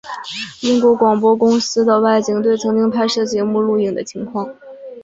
英国广播公司的外景队曾经拍摄节目录影的情况。